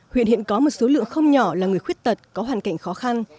huyện hiện có một số lượng không nhỏ là người khuyết tật có hoàn cảnh khó khăn